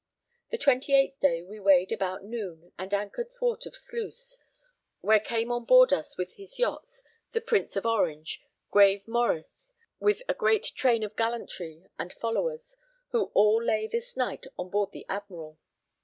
The 28th day we weighed about noon, and anchored thwart of Sluis, where came on board us with his yachts, the Prince of Orange, Grave Maurice, with a great train of gallantry and followers, who all lay this night on board the Admiral.